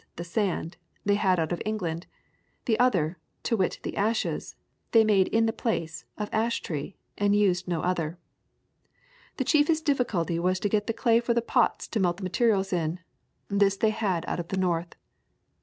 the sand, they had out of England; the other, to wit the ashes, they made in the place of ash tree, and used no other. The chiefest difficulty was to get the clay for the pots to melt the materials in; this they had out of the north."